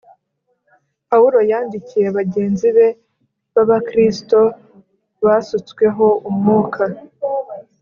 Pawulo yandikiye bagenzi be b’Abakristo basutsweho umwuka